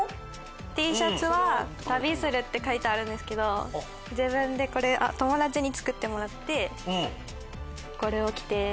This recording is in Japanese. Ｔシャツは「タビスル？」って書いてあるんですけど自分でこれ友達に作ってもらって。